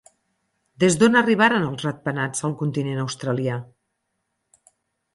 Des d'on arribaren els ratpenats al continent australià?